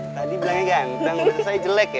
tadi bilangnya ganteng udah selesai jelek ya